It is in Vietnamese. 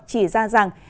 chỉ ra rằng